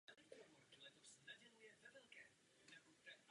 Průtok Jeleního potoka není přesně zjištěn.